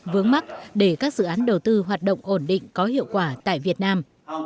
vướng mắt để các dự án đầu tư hoạt động ổn định có hiệu quả tại việt nam